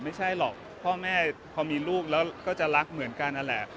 ไม่ใช่หรอกพ่อแม่พอมีลูกแล้วก็จะรักเหมือนกันนั่นแหละ